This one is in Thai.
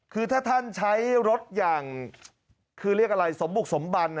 คือถ้าท่านใช้รถอย่างคือเรียกอะไรสมบุกสมบัน